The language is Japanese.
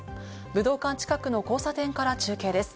武道館近くの交差点から中継です。